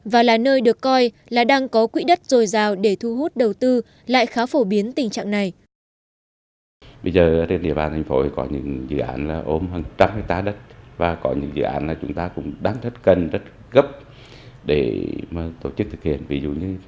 và là nơi được coi là đang có quỹ đất dồi dào để thu hút đầu tư lại khá phổ biến tình trạng này